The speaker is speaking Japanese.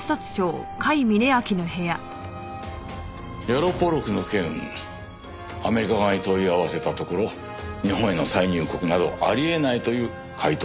ヤロポロクの件アメリカ側に問い合わせたところ日本への再入国などあり得ないという回答だったそうだ。